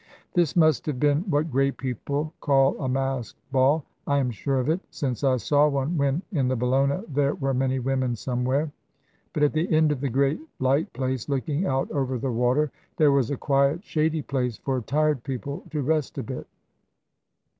"This must have been what great people call a 'masked ball,' I am sure of it; since I saw one, when, in the Bellona, there were many women somewhere. But at the end of the great light place, looking out over the water, there was a quiet shady place for tired people to rest a bit.